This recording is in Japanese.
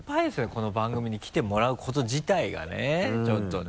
この番組に来てもらうこと自体がねちょっとね。